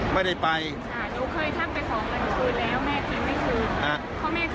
ไม่แม่แล้วก็เพื่อนแม่